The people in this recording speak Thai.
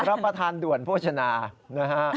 รับประทานด่วนโภชนานะฮะ